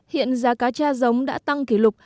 hiện giá cá cha giống đã tăng kỷ lục